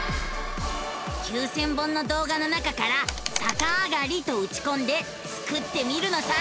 ９，０００本の動画の中から「さかあがり」とうちこんでスクってみるのさ！